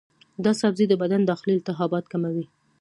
دا سبزی د بدن داخلي التهابات کموي.